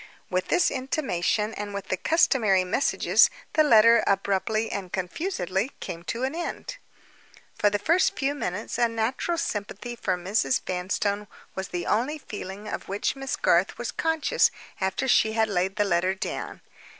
With this intimation, and with the customary messages, the letter, abruptly and confusedly, came to an end. For the first few minutes, a natural sympathy for Mrs. Vanstone was the only feeling of which Miss Garth was conscious after she had laid the letter down.